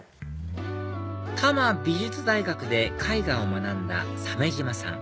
多摩美術大学で絵画を学んだ鮫島さん